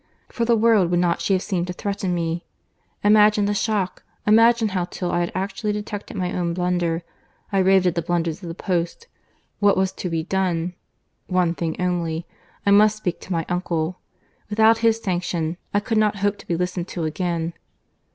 For the world would not she have seemed to threaten me.—Imagine the shock; imagine how, till I had actually detected my own blunder, I raved at the blunders of the post.—What was to be done?—One thing only.—I must speak to my uncle. Without his sanction I could not hope to be listened to again.